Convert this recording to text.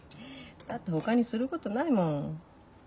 だってほかにすることないもん。